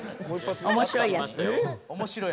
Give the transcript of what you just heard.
面白いやつ？